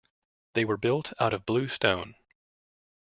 They were built out of blue stone.